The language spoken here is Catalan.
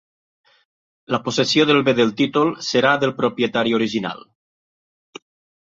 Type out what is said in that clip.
La possessió del bé del títol serà del propietari original.